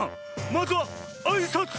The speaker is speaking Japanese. まずはあいさつ！